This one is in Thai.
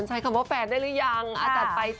ใช้คำว่าแฟนได้หรือยังจัดไปเลย